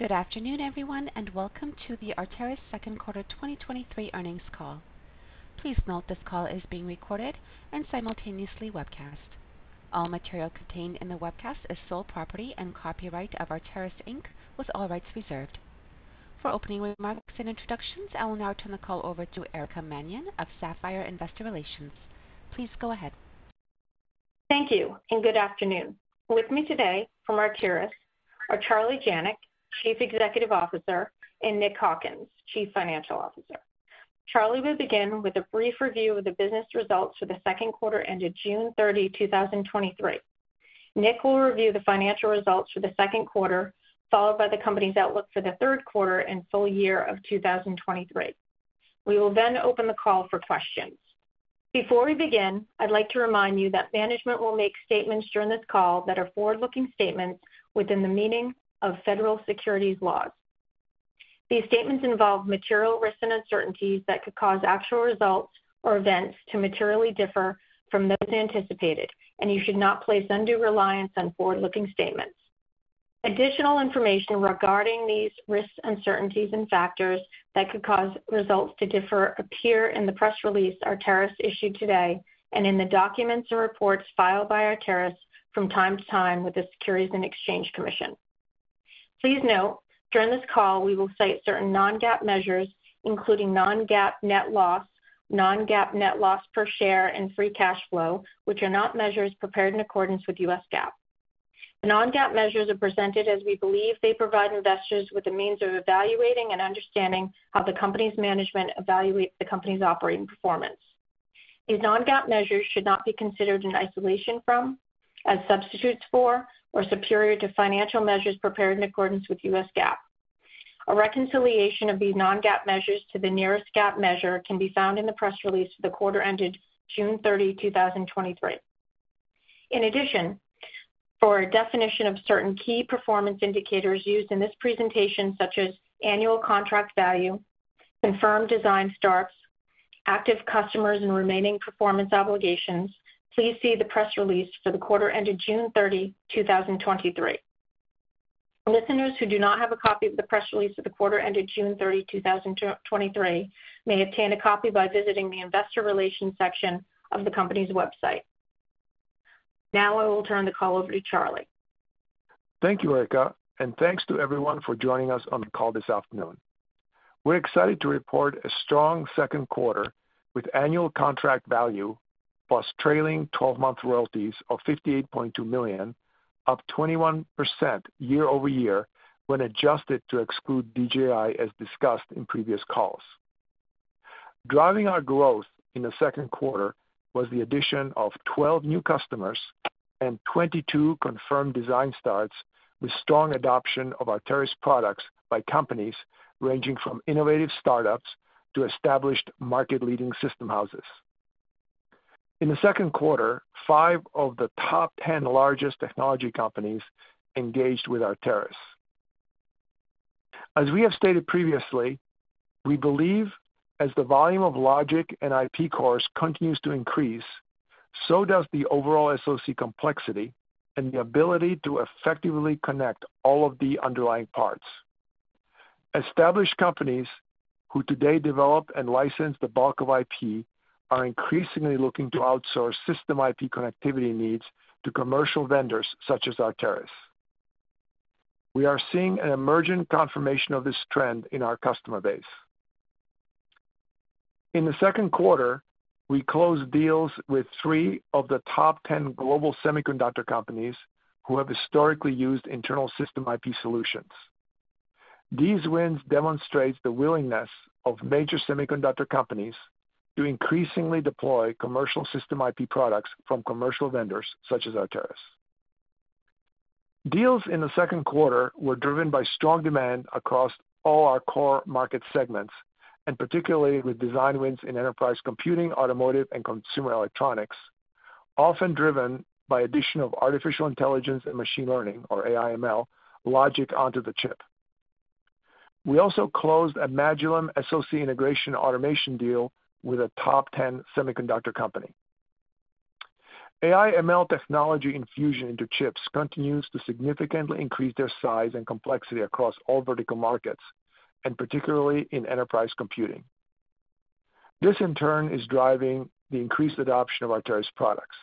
Good afternoon, everyone, and welcome to the Arteris Second Quarter 2023 Earnings Call. Please note this call is being recorded and simultaneously webcast. All material contained in the webcast is sole property and copyright of Arteris, Inc., with all rights reserved. For opening remarks and introductions, I will now turn the call over to Erica Mannion of Sapphire Investor Relations. Please go ahead. Thank you, and good afternoon. With me today from Arteris are Charlie Janac, Chief Executive Officer, and Nick Hawkins, Chief Financial Officer. Charlie will begin with a brief review of the business results for the second quarter ended June 30, 2023. Nick will review the financial results for the second quarter, followed by the company's outlook for the third quarter and full year of 2023. We will then open the call for questions. Before we begin, I'd like to remind you that management will make statements during this call that are forward-looking statements within the meaning of federal securities laws. These statements involve material risks and uncertainties that could cause actual results or events to materially differ from those anticipated, and you should not place undue reliance on forward-looking statements. Additional information regarding these risks, uncertainties, and factors that could cause results to differ appear in the press release Arteris issued today, and in the documents and reports filed by Arteris from time to time with the Securities and Exchange Commission. Please note, during this call, we will cite certain non-GAAP measures, including non-GAAP net loss, non-GAAP net loss per share, and free cash flow, which are not measures prepared in accordance with U.S. GAAP. The non-GAAP measures are presented as we believe they provide investors with a means of evaluating and understanding how the company's management evaluates the company's operating performance. These non-GAAP measures should not be considered in isolation from, as substitutes for, or superior to financial measures prepared in accordance with U.S. GAAP. A reconciliation of these non-GAAP measures to the nearest GAAP measure can be found in the press release for the quarter ended June 30, 2023. For a definition of certain key performance indicators used in this presentation, such as Annual Contract Value, confirmed design starts, active customers, and remaining performance obligations, please see the press release for the quarter ended June 30, 2023. Listeners who do not have a copy of the press release for the quarter ended June 30, 2023, may obtain a copy by visiting the investor relations section of the company's website. I will turn the call over to Charlie. Thank you, Erica, and thanks to everyone for joining us on the call this afternoon. We're excited to report a strong second quarter with annual contract value plus trailing twelve-month royalties of $58.2 million, up 21% year-over-year when adjusted to exclude DGI, as discussed in previous calls. Driving our growth in the second quarter was the addition of 12 new customers and 22 confirmed design starts, with strong adoption of Arteris products by companies ranging from innovative startups to established market-leading system houses. In the second quarter, 5 of the top 10 largest technology companies engaged with Arteris. As we have stated previously, we believe as the volume of logic and IP cores continues to increase, so does the overall SoC complexity and the ability to effectively connect all of the underlying parts. Established companies who today develop and license the bulk of IP are increasingly looking to outsource system IP connectivity needs to commercial vendors such as Arteris. We are seeing an emerging confirmation of this trend in our customer base. In the second quarter, we closed deals with three of the top ten global semiconductor companies who have historically used internal system IP solutions. These wins demonstrate the willingness of major semiconductor companies to increasingly deploy commercial system IP products from commercial vendors such as Arteris. Deals in the second quarter were driven by strong demand across all our core market segments, and particularly with design wins in enterprise computing, automotive, and consumer electronics, often driven by addition of artificial intelligence and machine learning, or AI/ML, logic onto the chip. We also closed a Magillem SoC integration automation deal with a top ten semiconductor company. AI/ML technology infusion into chips continues to significantly increase their size and complexity across all vertical markets, and particularly in enterprise computing. This, in turn, is driving the increased adoption of Arteris products.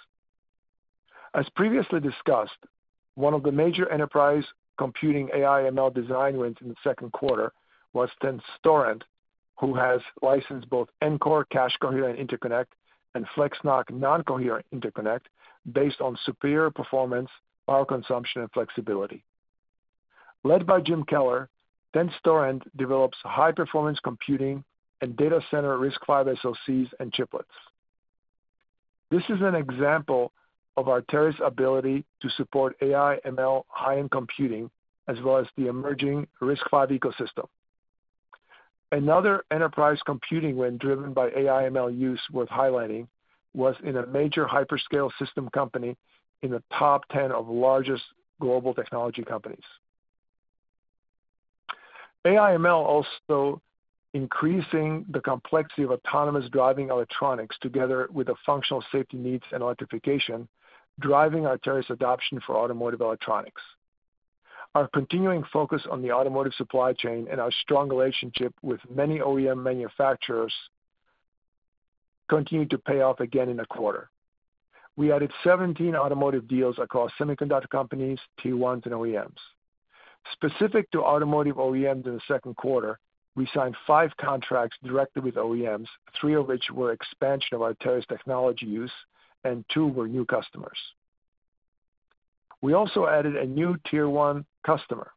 As previously discussed, one of the major enterprise computing AI/ML design wins in the second quarter was Tenstorrent, who has licensed both Ncore cache-coherent interconnect and FlexNoC non-coherent interconnect based on superior performance, power consumption, and flexibility. Led by Jim Keller, Tenstorrent develops high-performance computing and data center RISC-V SoCs and chiplets. This is an example of Arteris' ability to support AI/ML high-end computing, as well as the emerging RISC-V ecosystem. Another enterprise computing win driven by AI/ML use worth highlighting was in a major hyperscale system company in the top 10 of largest global technology companies.... AI/ML also increasing the complexity of autonomous driving electronics together with the functional safety needs and electrification, driving Arteris adoption for automotive electronics. Our continuing focus on the automotive supply chain and our strong relationship with many OEM manufacturers continued to pay off again in the quarter. We added 17 automotive deals across semiconductor companies, Tier 1s and OEMs. Specific to automotive OEMs in the second quarter, we signed 5 contracts directly with OEMs, 3 of which were expansion of Arteris technology use and 2 were new customers. We also added a new Tier 1 customer.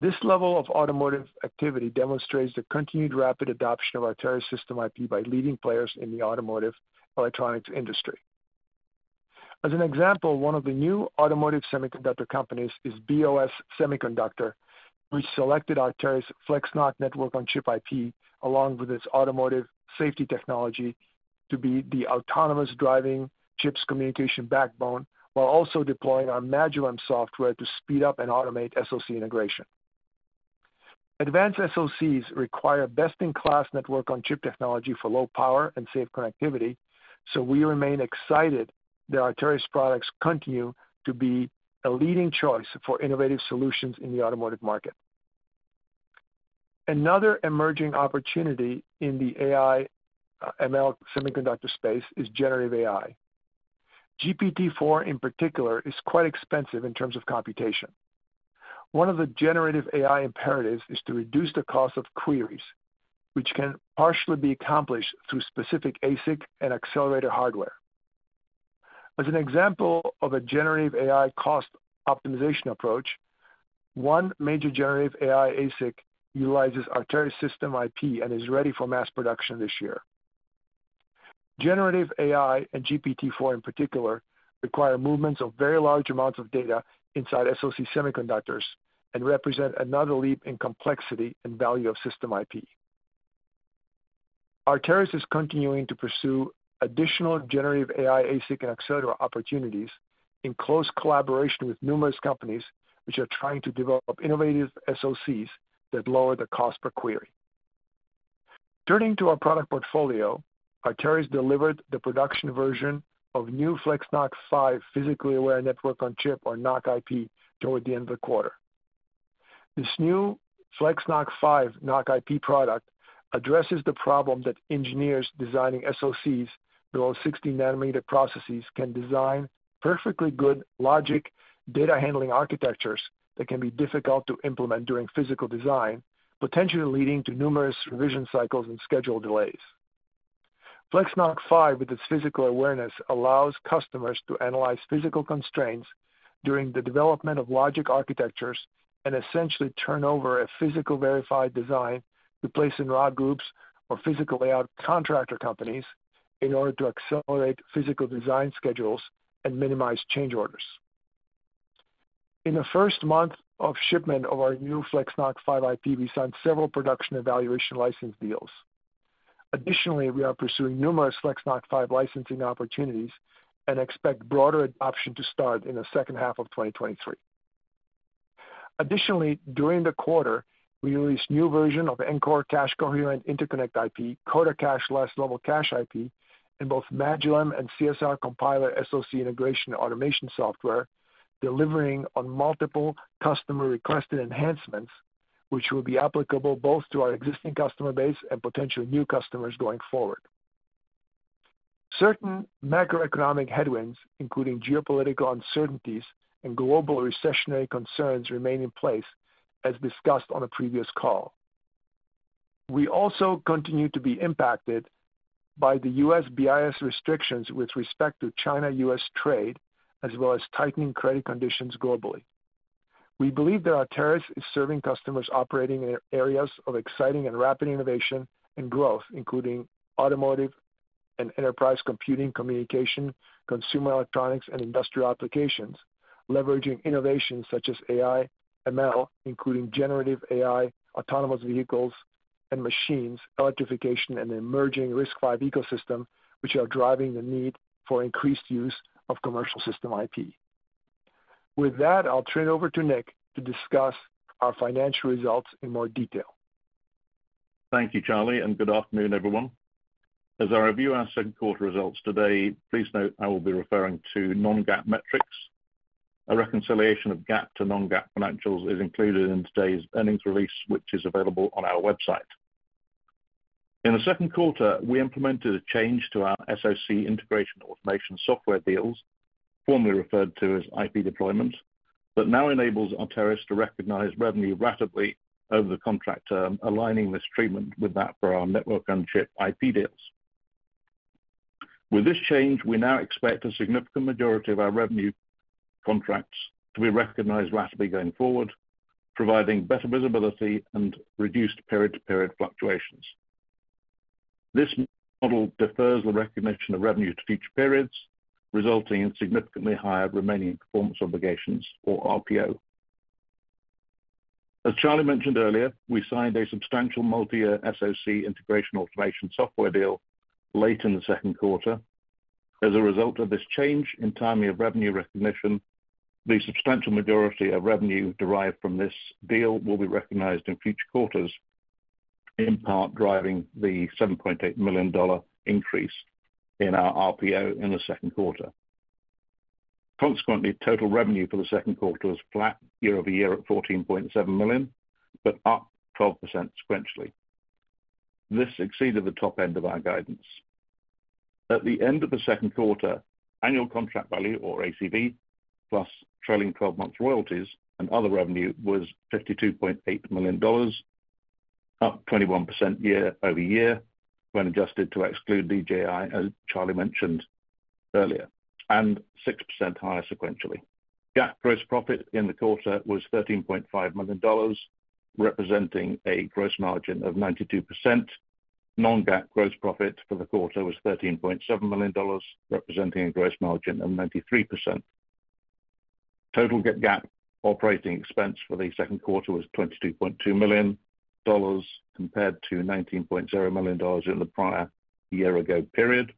This level of automotive activity demonstrates the continued rapid adoption of Arteris system IP by leading players in the automotive electronics industry. As an example, one of the new automotive semiconductor companies is BOS Semiconductors, which selected Arteris FlexNoC network-on-chip IP, along with its automotive safety technology, to be the autonomous driving chips communication backbone, while also deploying our Magillem software to speed up and automate SoC integration. Advanced SoCs require best-in-class network-on-chip technology for low power and safe connectivity, so we remain excited that Arteris products continue to be a leading choice for innovative solutions in the automotive market. Another emerging opportunity in the AI/ML semiconductor space is generative AI. GPT-4, in particular, is quite expensive in terms of computation. One of the generative AI imperatives is to reduce the cost of queries, which can partially be accomplished through specific ASIC and accelerator hardware. As an example of a generative AI cost optimization approach, one major generative AI ASIC utilizes Arteris system IP and is ready for mass production this year. Generative AI, and GPT-4 in particular, require movements of very large amounts of data inside SoC semiconductors and represent another leap in complexity and value of system IP. Arteris is continuing to pursue additional generative AI ASIC and accelerator opportunities in close collaboration with numerous companies, which are trying to develop innovative SoCs that lower the cost per query. Turning to our product portfolio, Arteris delivered the production version of new FlexNoC 5 physically aware network-on-chip, or NoC IP, toward the end of the quarter. This new FlexNoC 5 NoC IP product addresses the problem that engineers designing SoCs below 60 nanometer processes can design perfectly good logic, data handling architectures that can be difficult to implement during physical design, potentially leading to numerous revision cycles and schedule delays. FlexNoC 5, with its physical awareness, allows customers to analyze physical constraints during the development of logic architectures and essentially turn over a physical verified design to place and route groups or physical layout contractor companies in order to accelerate physical design schedules and minimize change orders. In the first month of shipment of our new FlexNoC 5 IP, we signed several production evaluation license deals. Additionally, we are pursuing numerous FlexNoC 5 licensing opportunities and expect broader adoption to start in the second half of 2023. Additionally, during the quarter, we released a new version of Ncore Cache Coherent Interconnect IP, CodaCache Last Level Cache IP, and both Magillem and CSRCompiler SoC integration automation software, delivering on multiple customer-requested enhancements, which will be applicable both to our existing customer base and potential new customers going forward. Certain macroeconomic headwinds, including geopolitical uncertainties and global recessionary concerns, remain in place, as discussed on a previous call. We also continue to be impacted by the U.S. BIS restrictions with respect to China-U.S. trade, as well as tightening credit conditions globally. We believe that Arteris is serving customers operating in areas of exciting and rapid innovation and growth, including automotive and enterprise computing, communication, consumer electronics, and industrial applications, leveraging innovations such as AI, ML, including generative AI, autonomous vehicles and machines, electrification, and the emerging RISC-V ecosystem, which are driving the need for increased use of commercial system IP. With that, I'll turn it over to Nick to discuss our financial results in more detail. Thank you, Charlie, and good afternoon, everyone. As I review our second quarter results today, please note I will be referring to non-GAAP metrics. A reconciliation of GAAP to non-GAAP financials is included in today's earnings release, which is available on our website. In the second quarter, we implemented a change to our SoC integration automation software deals, formerly referred to as IP deployments, that now enables Arteris to recognize revenue ratably over the contract term, aligning this treatment with that for our network and chip IP deals. With this change, we now expect a significant majority of our revenue contracts to be recognized ratably going forward, providing better visibility and reduced period-to-period fluctuations. This model defers the recognition of revenue to future periods, resulting in significantly higher remaining performance obligations, or RPO. As Charlie mentioned earlier, we signed a substantial multi-year SoC integration automation software deal late in the second quarter. As a result of this change in timing of revenue recognition, the substantial majority of revenue derived from this deal will be recognized in future quarters, in part driving the $7.8 million increase in our RPO in the second quarter. Consequently, total revenue for the second quarter was flat year-over-year at $14.7 million, but up 12% sequentially. This exceeded the top end of our guidance. At the end of the second quarter, Annual Contract Value, or ACV, plus trailing 12 months royalties and other revenue was $52.8 million, up 21% year-over-year, when adjusted to exclude DGI, as Charlie mentioned earlier, and 6% higher sequentially. GAAP gross profit in the quarter was $13.5 million, representing a gross margin of 92%. Non-GAAP gross profit for the quarter was $13.7 million, representing a gross margin of 93%. Total GAAP operating expense for the second quarter was $22.2 million, compared to $19.0 million in the prior year-ago period.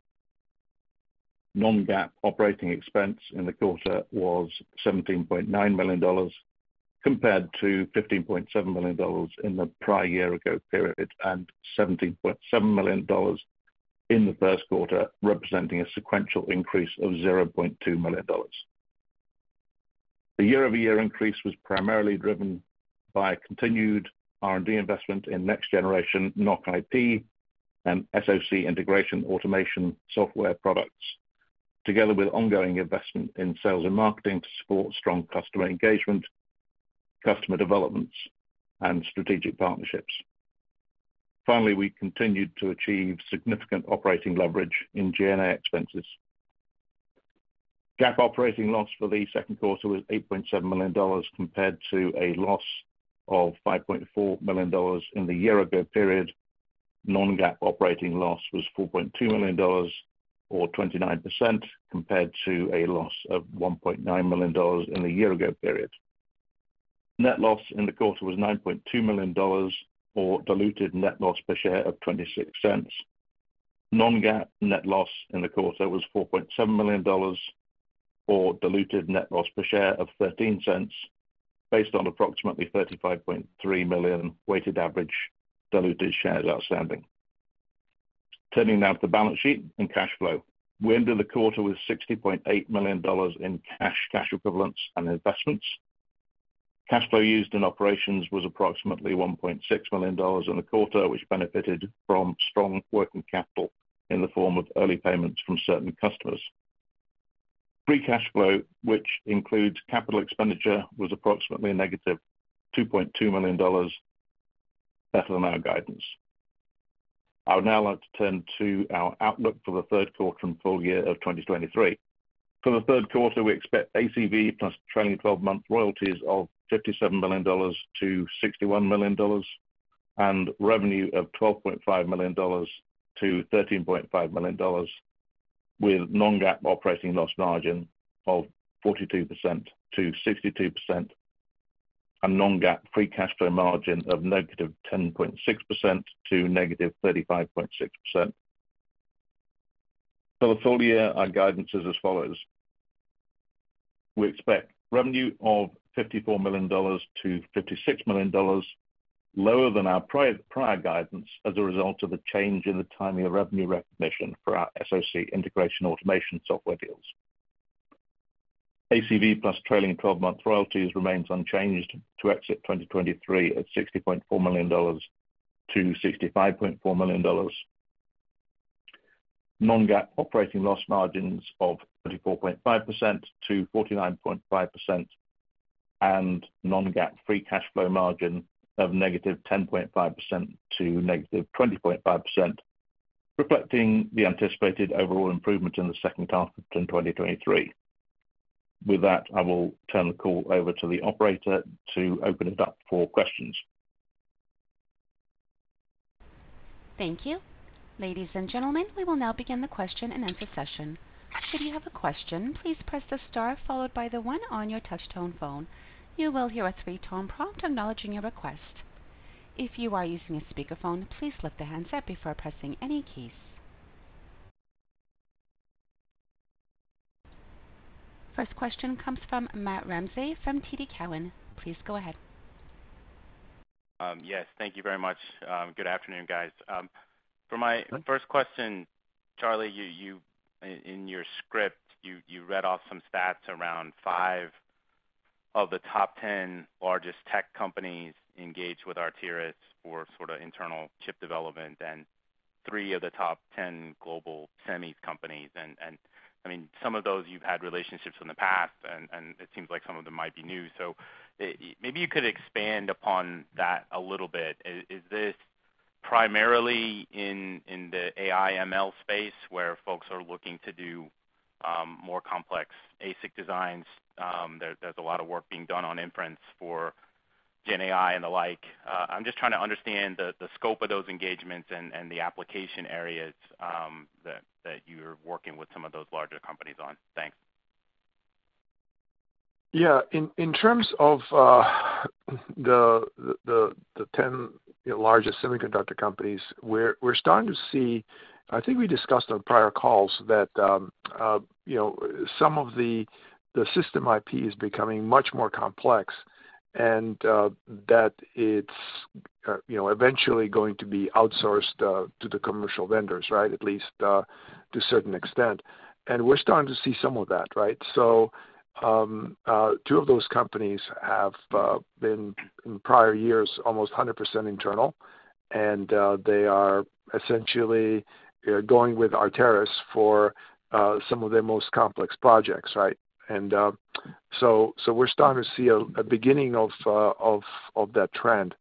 Non-GAAP operating expense in the quarter was $17.9 million, compared to $15.7 million in the prior year-ago period, and $17.7 million in the first quarter, representing a sequential increase of $0.2 million. The year-over-year increase was primarily driven by continued R&D investment in next generation NoC IP and SoC integration automation software products, together with ongoing investment in sales and marketing to support strong customer engagement, customer developments, and strategic partnerships. Finally, we continued to achieve significant operating leverage in G&A expenses. GAAP operating loss for the second quarter was $8.7 million, compared to a loss of $5.4 million in the year ago period. Non-GAAP operating loss was $4.2 million, or 29%, compared to a loss of $1.9 million in the year ago period. Net loss in the quarter was $9.2 million, or diluted net loss per share of $0.26. Non-GAAP net loss in the quarter was $4.7 million, or diluted net loss per share of $0.13, based on approximately 35.3 million weighted average diluted shares outstanding. Turning now to the balance sheet and cash flow. We ended the quarter with $60.8 million in cash, cash equivalents, and investments. Cash flow used in operations was approximately $1.6 million in the quarter, which benefited from strong working capital in the form of early payments from certain customers. Free cash flow, which includes capital expenditure, was approximately negative $2.2 million, better than our guidance. I would now like to turn to our outlook for the third quarter and full year of 2023. For the third quarter, we expect ACV plus trailing twelve-month royalties of $57 million-$61 million and revenue of $12.5 million-$13.5 million, with non-GAAP operating loss margin of 42%-62% and non-GAAP free cash flow margin of negative 10.6% - negative 35.6%. For the full year, our guidance is as follows: We expect revenue of $54 million-$56 million, lower than our prior guidance as a result of a change in the timing of revenue recognition for our SoC integration automation software deals. ACV plus trailing twelve-month royalties remains unchanged to exit 2023 at $60.4 million-$65.4 million. Non-GAAP operating loss margins of 34.5%-49.5%, and non-GAAP free cash flow margin of -10.5%--20.5%, reflecting the anticipated overall improvement in the second half of 2023. With that, I will turn the call over to the operator to open it up for questions. Thank you. Ladies and gentlemen, we will now begin the question and answer session. If you have a question, please press the star followed by the one on your touch tone phone. You will hear a three-tone prompt acknowledging your request. If you are using a speakerphone, please lift the handset before pressing any keys. First question comes from Matt Ramsay from TD Cowen. Please go ahead. Yes, thank you very much. Good afternoon, guys. For my first question, Charlie, you, in your script, you read off some stats around 5 of the top 10 largest tech companies engaged with Arteris for sort of internal chip development, and 3 of the top 10 global semis companies. I mean some of those you've had relationships in the past, and it seems like some of them might be new. Maybe you could expand upon that a little bit. Is this primarily in the AI/ML space where folks are looking to do more complex ASIC designs? There's a lot of work being done on inference for GenAI and the like. I'm just trying to understand the, the scope of those engagements and, and the application areas, that, that you're working with some of those larger companies on. Thanks. Yeah, in, in terms of, the, the, the 10 largest semiconductor companies, we're, we're starting to see, I think we discussed on prior calls that, you know, some of the, the system IP is becoming much more complex, and that it's, you know, eventually going to be outsourced, to the commercial vendors, right? At least, to a certain extent. We're starting to see some of that, right? Two of those companies have, been, in prior years, almost 100% internal, and they are essentially, they're going with Arteris for, some of their most complex projects, right? We're starting to see a, a beginning of, of, of that trend.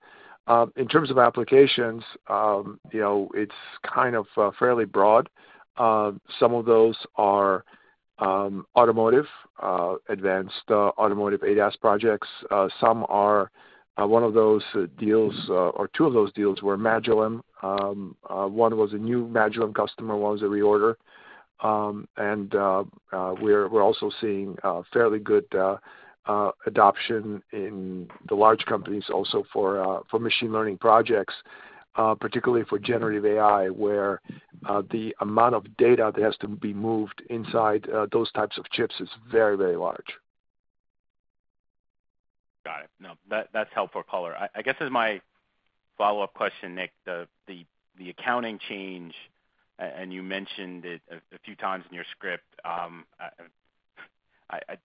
In terms of applications, you know, it's kind of, fairly broad. Some of those are automotive advanced automotive ADAS projects. Some are one of those deals or two of those deals were Magillem. One was a new Magillem customer, one was a reorder. And we're also seeing fairly good adoption in the large companies also for machine learning projects, particularly for generative AI, where the amount of data that has to be moved inside those types of chips is very, very large. Got it. No, that, that's helpful color. I guess as my follow-up question, Nick, the, the, the accounting change, and you mentioned it a, a few times in your script,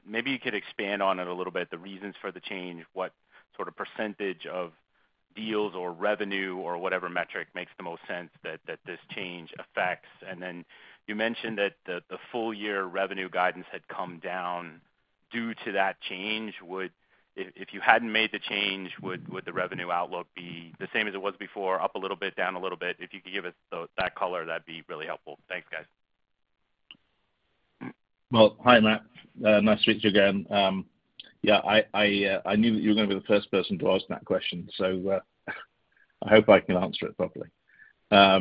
maybe you could expand on it a little bit, the reasons for the change, what sort of % of deals or revenue or whatever metric makes the most sense that, that this change affects? Then you mentioned that the, the full year revenue guidance had come down due to that change. If, if you hadn't made the change, would, would the revenue outlook be the same as it was before, up a little bit, down a little bit? If you could give us that color, that'd be really helpful. Thanks, guys. Well, hi, Matt. Nice to meet you again. Yeah, I, I knew that you were gonna be the first person to ask that question, so I hope I can answer it properly. So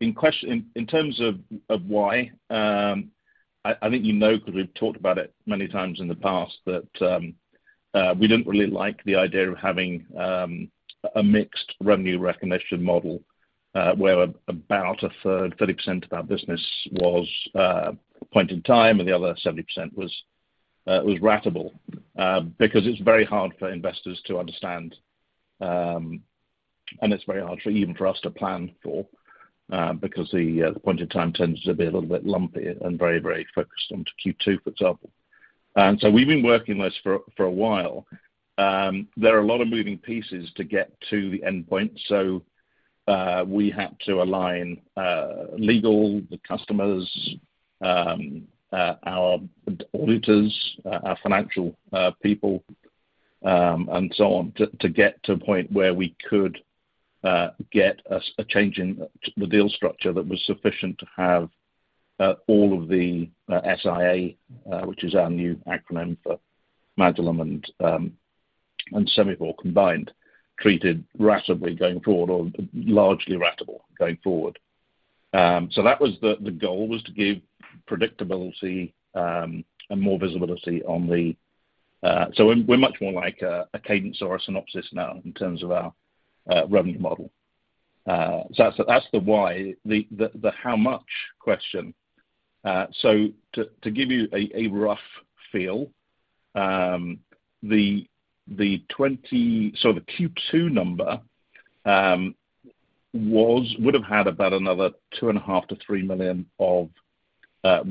in terms of why, I, I think you know, because we've talked about it many times in the past, that we didn't really like the idea of having a mixed revenue recognition model, where about a third, 30% of our business was point in time, and the other 70% was ratable. Because it's very hard for investors to understand, and it's very hard for, even for us to plan for, because the point in time tends to be a little bit lumpy and very, very focused on to Q2, for example. So we've been working this for, for a while. There are a lot of moving pieces to get to the endpoint, so we had to align legal, the customers, our auditors, our financial people, and so on, to get to a point where we could get a change in the deal structure that was sufficient to have all of the SIA, which is our new acronym for Magillem and Semifore combined, treated ratably going forward or largely ratable going forward. So that was the, the goal, was to give predictability and more visibility on the. So we're, we're much more like a Cadence or a Synopsys now in terms of our revenue model. So that's, that's the why. The, the, the how much question. To give you a rough feel, the Q2 number was, would have had about another $2.5 million-$3 million of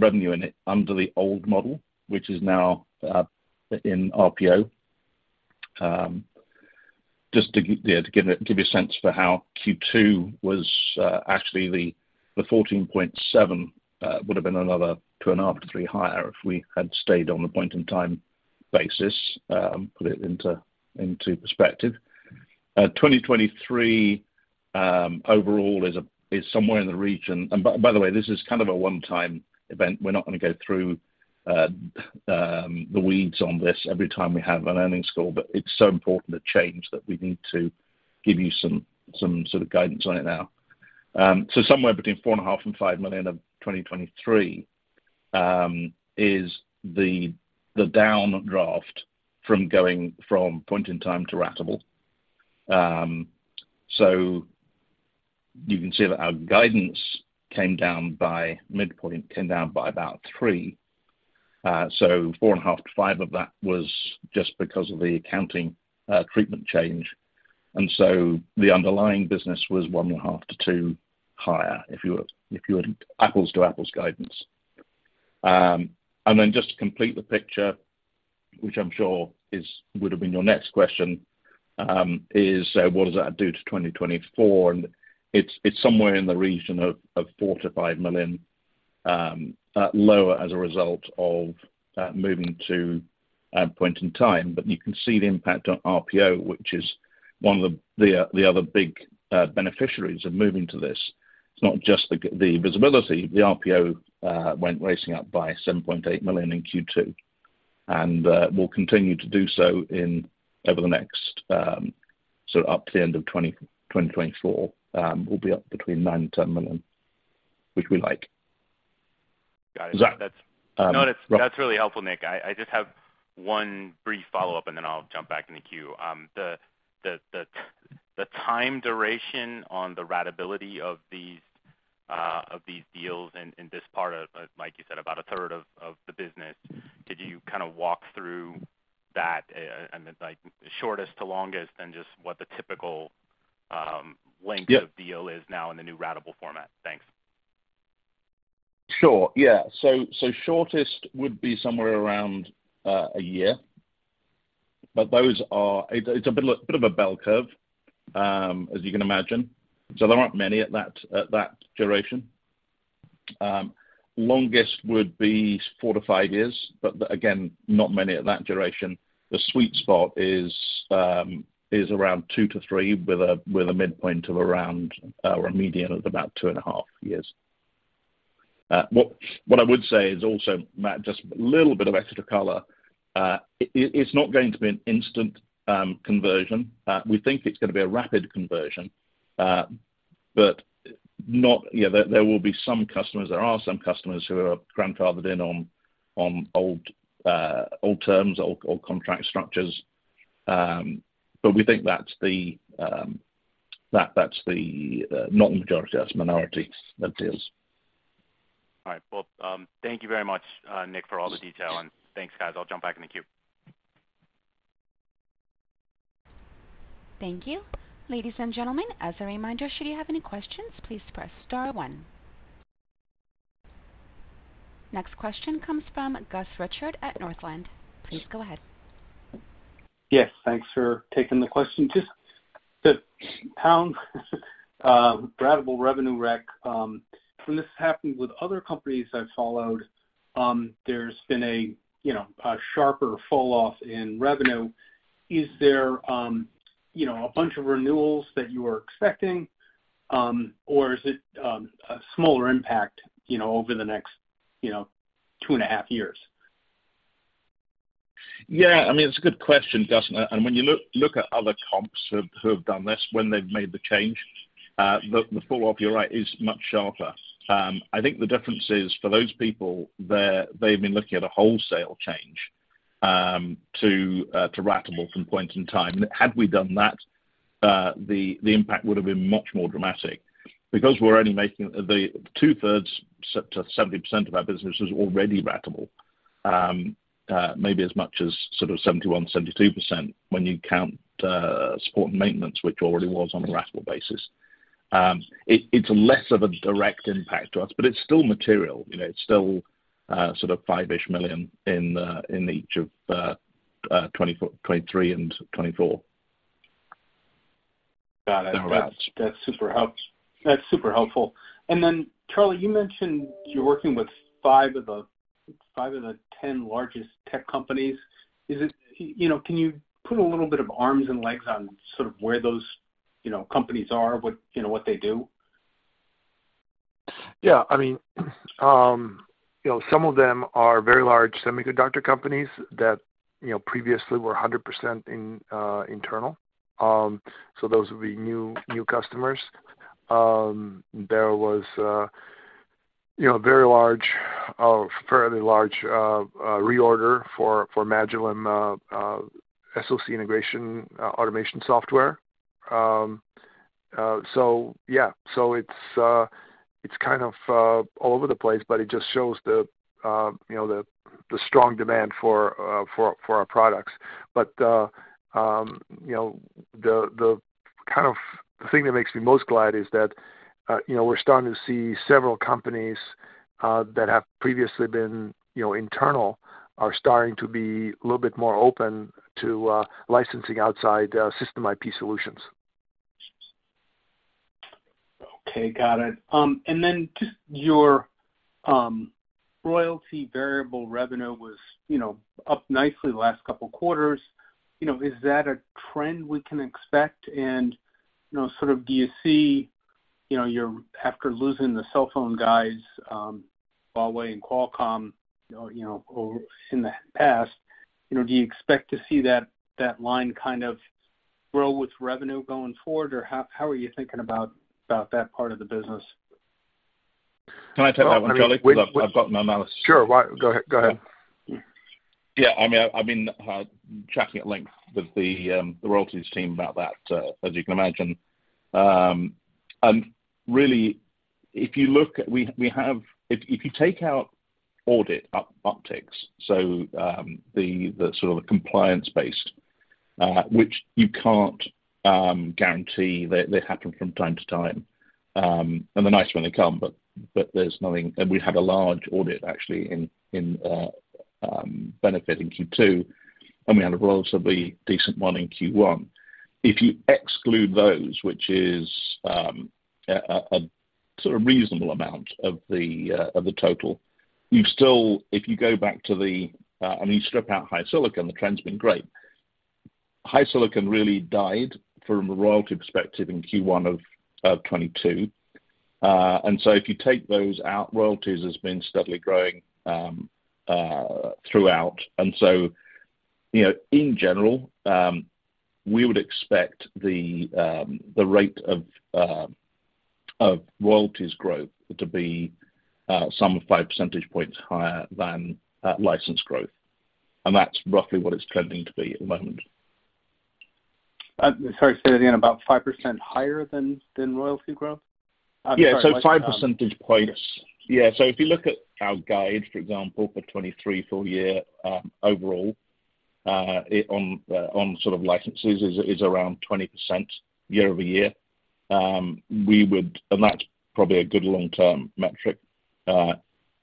revenue in it under the old model, which is now in RPO. Just to give it, give you a sense for how Q2 was, actually, the 14.7 would have been another $2.5-$3 higher if we had stayed on a point-in-time basis, put it into perspective. 2023 overall is somewhere in the region. By the way, this is kind of a one-time event. We're not gonna go through the weeds on this every time we have an earnings call, but it's so important to change that we need to give you some sort of guidance on it now. Somewhere between $4.5 million and $5 million of 2023 is the downdraft from going from point-in-time to ratable. You can see that our guidance came down by, midpoint, came down by about $3 million. $4.5 million-$5 million of that was just because of the accounting treatment change, and so the underlying business was $1.5 million-$2 million higher, if you had apples-to-apples guidance. Just to complete the picture, which I'm sure is, would have been your next question, is, what does that do to 2024? It's somewhere in the region of $4 million-$5 million lower as a result of moving to point in time. You can see the impact on RPO, which is one of the other big beneficiaries of moving to this. It's not just the visibility. The RPO went racing up by $7.8 million in Q2, and will continue to do so in, over the next, so up to the end of 2024, we'll be up between $9 million and $10 million, which we like. Got it. So- That's, No, that's, that's really helpful, Nick. I, I just have one brief follow-up, and then I'll jump back in the queue. The time duration on the ratability of these deals in, in this part of, like you said, about a third of the business, could you kind of walk through that and then, like, shortest to longest, and just what the typical length-? Yeah of deal is now in the new ratable format? Thanks. Sure. Yeah. Shortest would be somewhere around 1 year, but those are... It's a bit of a bell curve, as you can imagine, so there aren't many at that duration. Longest would be 4-5 years, but again, not many at that duration. The sweet spot is around 2-3, with a midpoint of around or a median of about 2.5 years. What I would say is also, Matt, just a little bit of extra color, it's not going to be an instant conversion. We think it's gonna be a rapid conversion, but not, you know, there will be some customers, there are some customers who are grandfathered in on old terms or contract structures. We think that's the, that, that's the, not the majority, that's minority of deals. All right. Well, thank you very much, Nick, for all the detail, and thanks, guys. I'll jump back in the queue. Thank you. Ladies and gentlemen, as a reminder, should you have any questions, please press star one. Next question comes from Gus Richard at Northland. Please go ahead. Yes, thanks for taking the question. Just the ratable revenue rec, when this happened with other companies I've followed, there's been a, you know, a sharper falloff in revenue. Is there, you know, a bunch of renewals that you are expecting, or is it a smaller impact, you know, over the next, you know, 2.5 years? Yeah, I mean, it's a good question, Gus, and when you look, look at other comps who have, who have done this, when they've made the change, the, the falloff, you're right, is much sharper. I think the difference is, for those people, they've been looking at a wholesale change to to ratable from point in time. Had we done that, the, the impact would have been much more dramatic. Because we're only making the two-thirds to 70% of our business is already ratable, maybe as much as sort of 71%, 72% when you count support and maintenance, which already was on a ratable basis. It, it's less of a direct impact to us, but it's still material. You know, it's still sort of five-ish million in each of 2024, 2023 and 2024. Got it. Yeah. That's super helpful. Then, Charlie, you mentioned you're working with 5 of the, 5 of the 10 largest tech companies. Is it, you know, can you put a little bit of arms and legs on sort of where those, you know, companies are, what, you know, what they do? Yeah, I mean, you know, some of them are very large semiconductor companies that, you know, previously were 100% in internal. Those would be new, new customers. There was a, you know, very large, a fairly large reorder for for Magillem SoC Integration Automation Software. Yeah. It's kind of all over the place, but it just shows the, you know, the, the strong demand for for for our products. You know, the, the kind of the thing that makes me most glad is that, you know, we're starting to see several companies that have previously been, you know, internal, are starting to be a little bit more open to licensing outside system IP solutions. Okay, got it. Then just your royalty variable revenue was, you know, up nicely the last couple quarters. You know, is that a trend we can expect? Sort of do you see, you know, after losing the cell phone guys, Huawei and Qualcomm, you know, or in the past, you know, do you expect to see that line kind of grow with revenue going forward? Or how, how are you thinking about, about that part of the business? Can I take that one, Charlie? Sure. I've got my mouth. Sure. Go ahead. Go ahead. Yeah, I mean, I've been chatting at length with the royalties team about that, as you can imagine. Really, if you look at, if you take out audit upticks, so, the sort of the compliance-based, which you can't guarantee, they happen from time to time, and they're nice when they come, but there's nothing. We had a large audit, actually, in benefit in Q2, and we had a relatively decent one in Q1. If you exclude those, which is a sort of reasonable amount of the total, you still, if you go back to the, and you strip out HiSilicon, the trend's been great. HiSilicon really died from a royalty perspective in Q1 of 2022. If you take those out, royalties has been steadily growing throughout. You know, in general, we would expect the rate of royalties growth to be some 5 percentage points higher than license growth, and that's roughly what it's tending to be at the moment. sorry, say that again, about 5% higher than, than royalty growth? Yeah. 5 percentage points. Yeah, if you look at our guide, for example, for 2023 full year, overall, it on sort of licenses is around 20% year-over-year. That's probably a good long-term metric.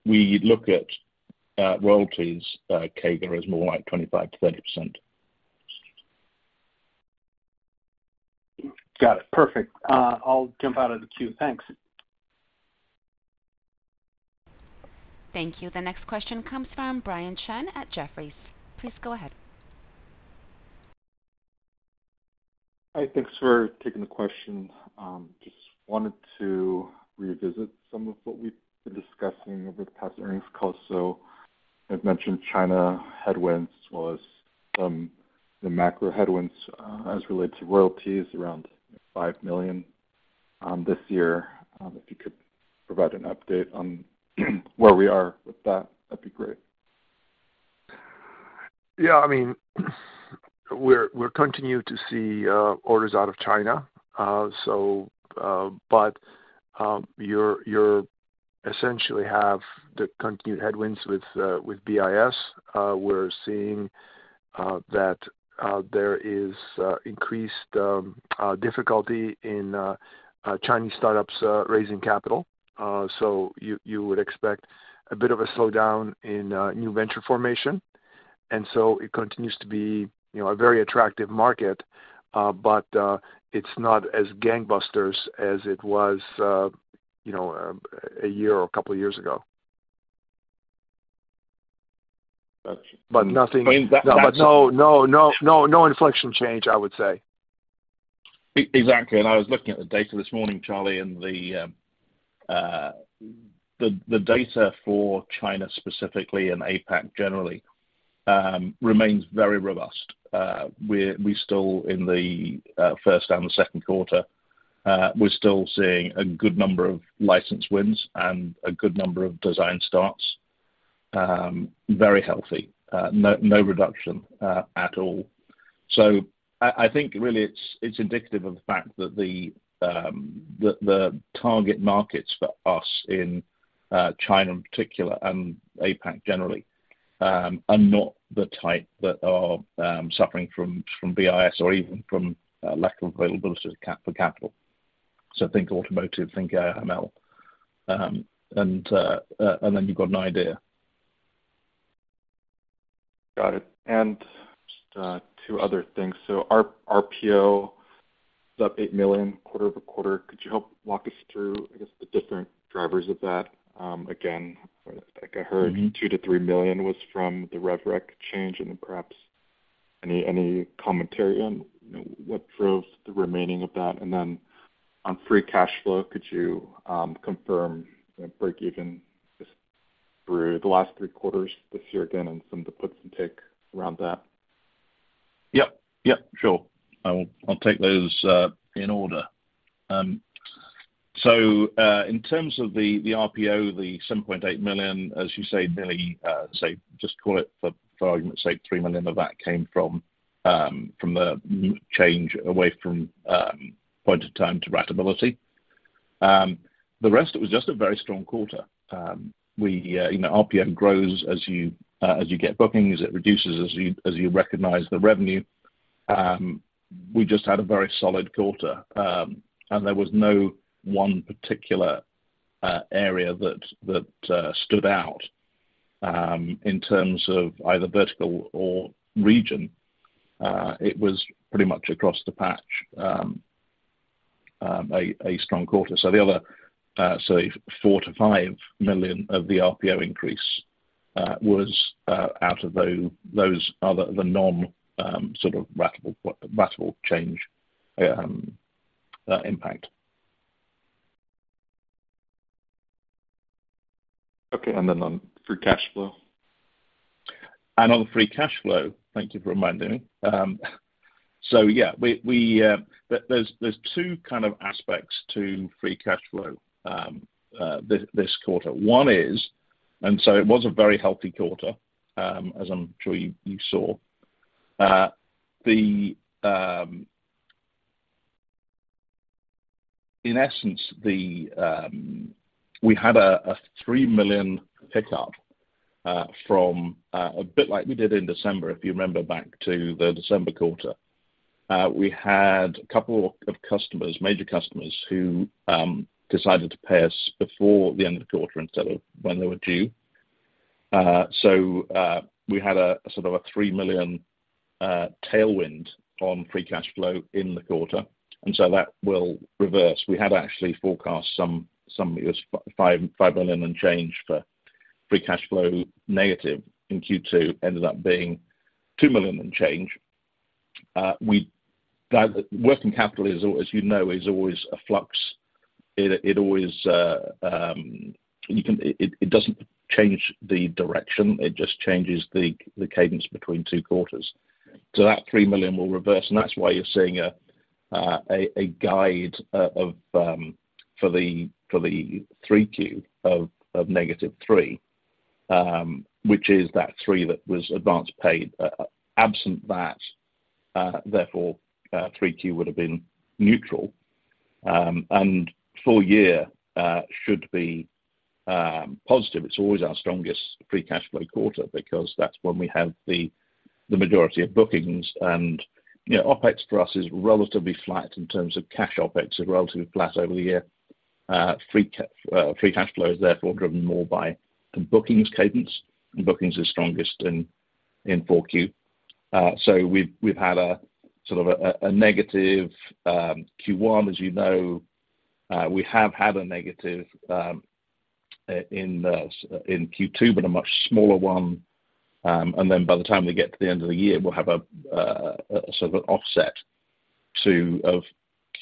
We look at royalties CAGR as more like 25%-30%. Got it. Perfect. I'll jump out of the queue. Thanks. Thank you. The next question comes from Brian Chen at Jefferies. Please go ahead. Hi, thanks for taking the question. Just wanted to revisit some of what we've been discussing over the past earnings call. I've mentioned China headwinds was from the macro headwinds, as related to royalties, around $5 million this year. If you could provide an update on where we are with that, that'd be great. Yeah, I mean, we're continued to see orders out of China. You're essentially have the continued headwinds with BIS. We're seeing that there is increased difficulty in Chinese startups raising capital. You, you would expect a bit of a slowdown in new venture formation. It continues to be, you know, a very attractive market, but it's not as gangbusters as it was, you know, 1 year or a couple of years ago. Gotcha. nothing... I mean, that. No, no, no, no, no inflection change, I would say. Exactly. I was looking at the data this morning, Charlie, and the data for China specifically and APAC generally remains very robust. We still in the first and the second quarter, we're still seeing a good number of license wins and a good number of design starts. Very healthy. No, no reduction at all. I, I think really it's, it's indicative of the fact that the target markets for us in China in particular and APAC generally are not the type that are suffering from, from BIS or even from lack of availability for capital. Think automotive, think ML, and then you've got an idea. Got it. Just 2 other things. Our RPO is up $8 million quarter-over-quarter. Could you help walk us through, I guess, the different drivers of that? Again, like I heard, $2 million-$3 million was from the rev rec change and then perhaps any, any commentary on, you know, what drove the remaining of that? Then on free cash flow, could you confirm the break even just through the last 3 quarters this year again, and some of the puts and takes around that? Yep. Yep, sure. I'll take those in order. In terms of the RPO, the $7.8 million, as you say, nearly, say, just call it for argument's sake, $3 million of that came from the change away from point of time to ratability. The rest, it was just a very strong quarter. We, you know, RPO grows as you get bookings. It reduces as you, as you recognize the revenue. We just had a very solid quarter, and there was no one particular area that stood out in terms of either vertical or region. It was pretty much across the patch, a strong quarter. The other, say, $4 million-$5 million of the RPO increase was out of those other, the non, sort of ratable, ratable change impact. Okay, then on free cash flow. On free cash flow, thank you for reminding me. Yeah, we, we, there's, there's 2 kind of aspects to free cash flow, this quarter. One is. It was a very healthy quarter, as I'm sure you, you saw. The, in essence, the, we had a, a $3 million pickup, from, a bit like we did in December, if you remember back to the December quarter. We had a couple of customers, major customers, who decided to pay us before the end of the quarter instead of when they were due. We had a, a sort of a $3 million, tailwind on free cash flow in the quarter, and that will reverse. We had actually forecast $5 million and change for free cash flow negative in Q2, ended up being $2 million and change. Guide, working capital is, as you know, is always a. It always, you can, it doesn't change the direction, it just changes the cadence between two quarters. That $3 million will reverse, and that's why you're seeing a guide of for the 3Q of negative $3 million, which is that $3 million that was advanced paid. Absent that, therefore, 3Q would have been neutral. Full year should be positive. It's always our strongest free cash flow quarter because that's when we have the majority of bookings. You know, OpEx for us is relatively flat in terms of cash OpEx is relatively flat over the year. Free cash flow is therefore driven more by bookings cadence, and bookings are strongest in Q4. So we've, we've had a sort of a negative Q1, as you know. We have had a negative in Q2, but a much smaller one. Then by the time we get to the end of the year, we'll have a sort of an offset to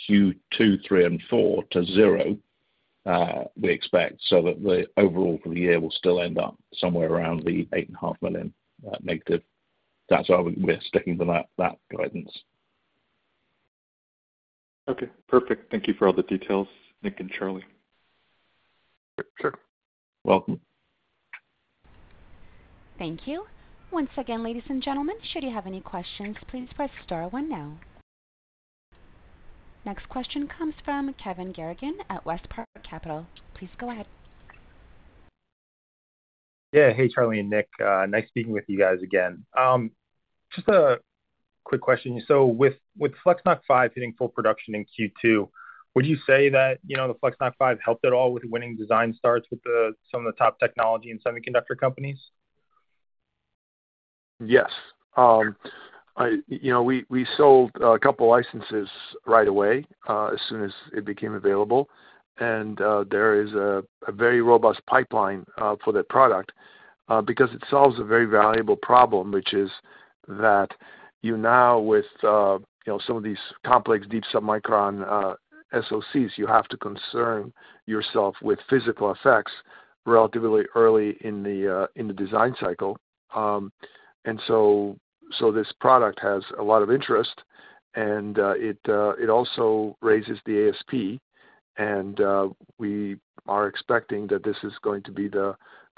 Q2, 3 and 4 to 0, we expect, so that the overall for the year will still end up somewhere around the $8.5 million negative. That's why we're sticking to that, that guidance. Okay, perfect. Thank you for all the details, Nick and Charlie. Sure. Welcome. Thank you. Once again, ladies and gentlemen, should you have any questions, please press star one now. Next question comes from Kevin Garrigan at WestPark Capital. Please go ahead. Yeah. Hey, Charlie and Nick, nice speaking with you guys again. Just a quick question. With, with FlexNoC 5 hitting full production in Q2, would you say that, you know, the FlexNoC 5 helped at all with winning design starts with the, some of the top technology and semiconductor companies? Yes. You know, we, we sold 2 licenses right away, as soon as it became available, and there is a very robust pipeline for that product, because it solves a very valuable problem, which is that you now, with, you know, some of these complex deep-submicron SoCs, you have to concern yourself with physical effects relatively early in the design cycle. So, this product has a lot of interest, and it also raises the ASP, and we are expecting that this is going to be the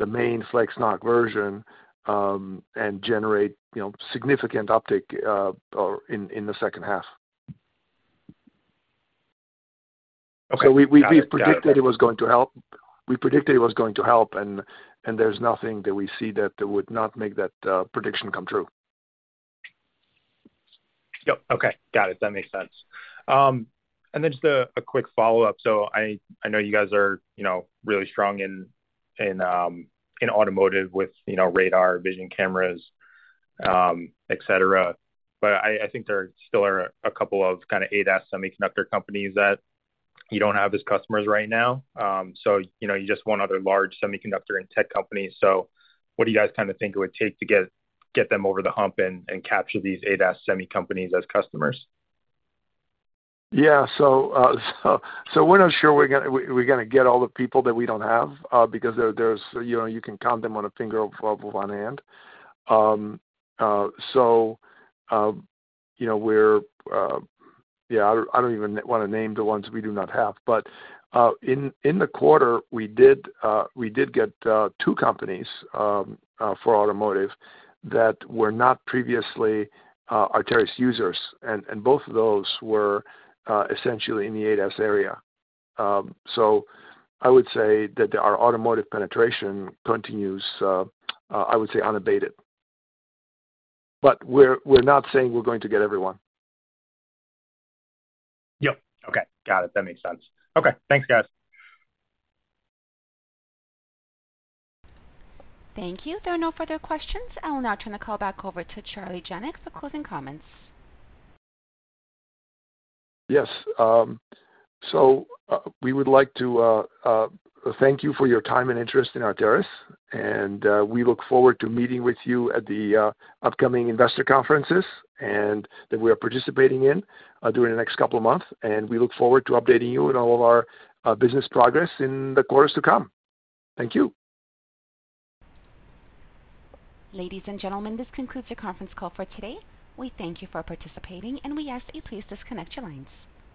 main FlexNoC version and generate, you know, significant uptick in the second half. Okay. We, we predicted it was going to help. We predicted it was going to help, and, and there's nothing that we see that would not make that prediction come true. Yep. Okay. Got it. That makes sense. Just a, a quick follow-up. I know you guys are, you know, really strong in, in automotive with, you know, radar, vision cameras, et cetera. I think there still are a couple of kind of ADAS semiconductor companies that you don't have as customers right now. You know, you just want other large semiconductor and tech companies. What do you guys kind of think it would take to get, get them over the hump and, and capture these ADAS semi companies as customers? Yeah. we're not sure we're gonna, we're gonna get all the people that we don't have, because there, there's, you know, you can count them on a finger of one hand. you know, we're, Yeah, I, I don't even wanna name the ones we do not have. in the quarter, we did get two companies for automotive that were not previously Arteris users, and both of those were essentially in the ADAS area. I would say that our automotive penetration continues, I would say unabated. we're, we're not saying we're going to get everyone. Yep. Okay, got it. That makes sense. Okay, thanks, guys. Thank you. There are no further questions. I will now turn the call back over to Charlie Janac for closing comments. Yes. We would like to thank you for your time and interest in Arteris, and we look forward to meeting with you at the upcoming investor conferences, and that we are participating in during the next couple of months. We look forward to updating you on all of our business progress in the quarters to come. Thank you. Ladies and gentlemen, this concludes your conference call for today. We thank you for participating, and we ask that you please disconnect your lines.